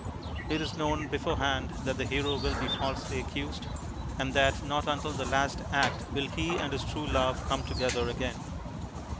It is known beforehand that the Hero will be falsely accused, and that not until the last act will he and his true love come together again.